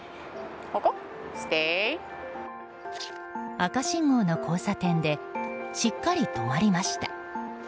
赤信号の交差点でしっかり止まりました。